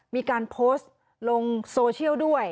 มีการโพสต์ลงโซเชียลด้วย